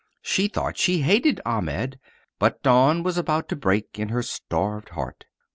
She thought she hated Ahmed, but dawn was about to break in her starved heart.